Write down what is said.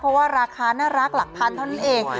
เพราะว่าราคาน่ารักหลักพันเท่านั้นเอง